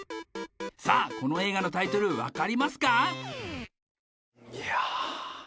この映画のタイトルわかりますか？